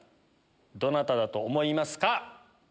どなただと思いますか？